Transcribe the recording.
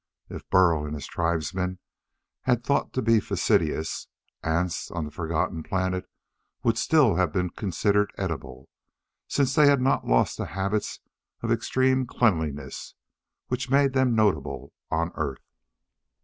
If Burl and his tribesmen had thought to be fastidious, ants on the forgotten planet would still have been considered edible, since they had not lost the habits of extreme cleanliness which made them notable on Earth.